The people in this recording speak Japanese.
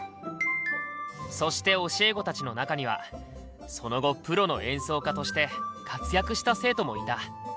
そして教え子たちの中にはその後プロの演奏家として活躍した生徒もいた。